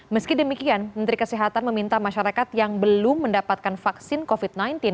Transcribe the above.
meski demikian menteri kesehatan meminta masyarakat yang belum mendapatkan vaksin covid sembilan belas